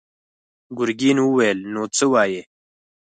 ګرګين وويل: نو څه وايې؟